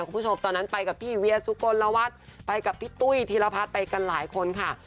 คุณผู้ชมตอนนั้นไปกับพี่เวียสุกลวัฒน์ไปกับพี่ตุ้ยธีรพัฒน์ไปกันหลายคนค่ะ